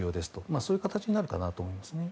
そういう形になると思います。